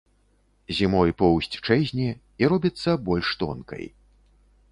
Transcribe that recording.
Зімой поўсць чэзне і робіцца больш тонкай.